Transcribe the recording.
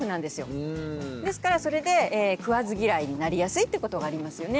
ですからそれで食わず嫌いになりやすいってことがありますよね。